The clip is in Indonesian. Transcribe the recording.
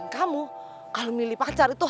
kamu kalau milih pacar itu